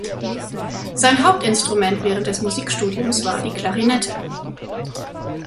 Sein Hauptinstrument während des Musikstudiums war die Klarinette.